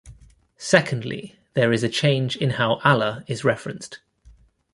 Secondly, there is a change in how Allah is referenced.